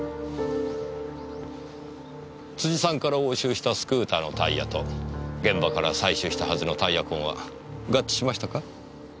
辻さんから押収したスクーターのタイヤと現場から採取したはずのタイヤ痕は合致しましたか？